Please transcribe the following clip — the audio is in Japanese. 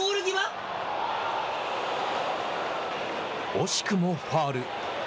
惜しくもファウル。